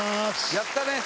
やったね！